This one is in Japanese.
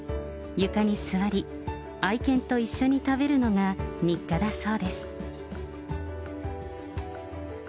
床に座り、愛犬と一緒に食べるのが日課だそうです。